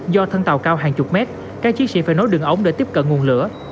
do thân tàu cao hàng chục mét các chiến sĩ phải nối đường ống để tiếp cận nguồn lửa